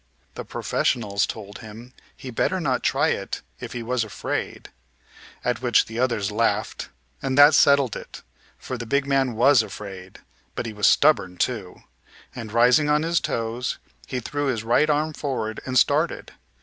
The professionals told him he'd better not try it if he was afraid at which the others laughed, and that settled it, for the big man was afraid; but he was stubborn, too, and, rising on his toes, he threw his right arm forward and started.